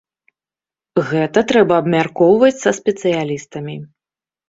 Гэта трэба абмяркоўваць са спецыялістамі.